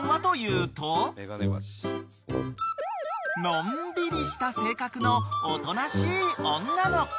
［のんびりした性格のおとなしい女の子］